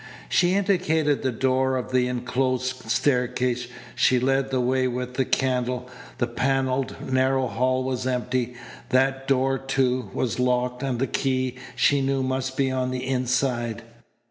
She indicated the door of the enclosed staircase. She led the way with the candle. The panelled, narrow hall was empty. That door, too, was locked and the key, she knew, must be on the inside.